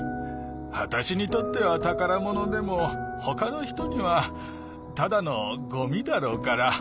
わたしにとってはたからものでもほかのひとにはただのゴミだろうから。